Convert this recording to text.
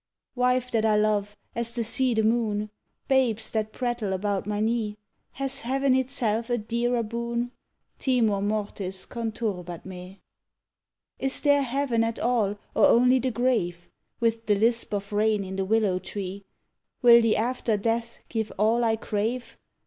_ Wife that I love as the sea the moon, Babes that prattle about my knee; Has heaven itself a dearer boon? Timor mortis conturbat me. Is there heaven at all or only the grave With the lisp of rain in the willow tree, Will the after death give all I crave?